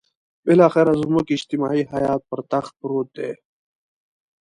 بالاخره زموږ اجتماعي حيات پر تخت پروت دی.